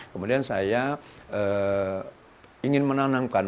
kemudian saya ingin menanamkan